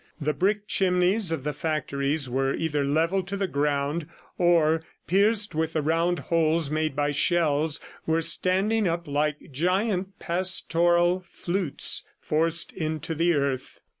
The brick chimneys of the factories were either levelled to the ground or, pierced with the round holes made by shells, were standing up like giant pastoral flutes forced into the earth.